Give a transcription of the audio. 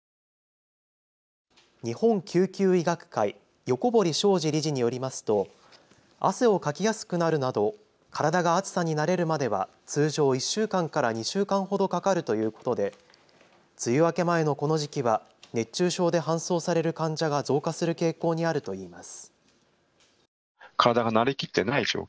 日本救急医学会、横堀將司理事によりますと汗をかきやすくなるなど体が暑さに慣れるまでは通常１週間から２週間ほどかかるということで梅雨明け前のこの時期は熱中症で搬送される患者が増加する傾向にあるといいます。